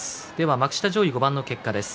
幕下上位５番の結果です。